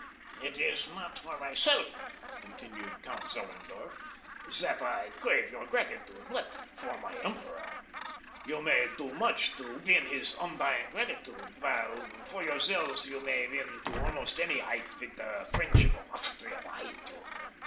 "It is not for myself," continued Count Zellerndorf, "that I crave your gratitude, but for my emperor. You may do much to win his undying gratitude, while for yourselves you may win to almost any height with the friendship of Austria behind you.